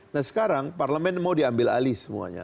nah sekarang parlemen mau diambil alih semuanya